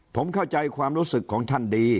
ผมเข้าใจความรู้สึกของท่านดี